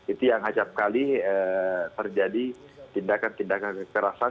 itu yang hacap kali terjadi tindakan tindakan kekerasan